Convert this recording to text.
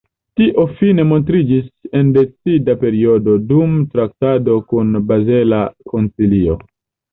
Tio fine montriĝis en decida periodo, dum traktado kun bazela koncilio.